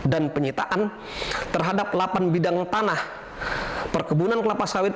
dan penyitaan terhadap delapan bidang tanah perkebunan kelapa sawit